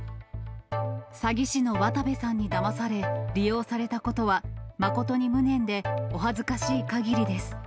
詐欺師の渡部さんにだまされ、利用されたことは、誠に無念でお恥ずかしいかぎりです。